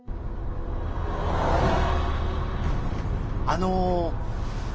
あの。